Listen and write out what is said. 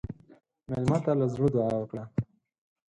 مېلمه ته له زړه دعا وکړه.